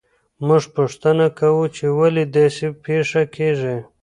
موږ پوښتنه کوو چې ولې داسې پېښې کیږي.